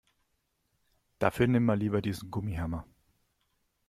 Dafür nimm mal lieber diesen Gummihammer.